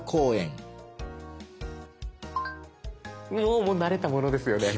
おもう慣れたものですよね。